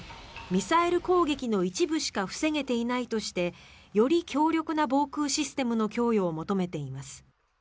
ミサイル攻撃の一部しか防げていないとしてより強力な防空システムの供与を求めています。